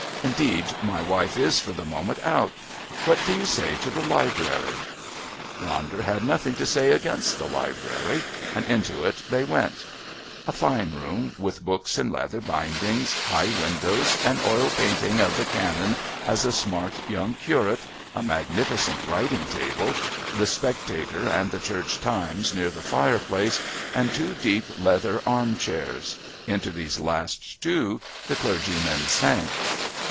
Indeed, my wife is, for the moment, out. What do you say to the library?" Ronder had nothing to say against the library, and into it they went. A fine room with books in leather bindings, high windows, an oil painting of the Canon as a smart young curate, a magnificent writing table, The Spectator and The Church Times near the fireplace, and two deep leather arm chairs. Into these last two the clergymen sank.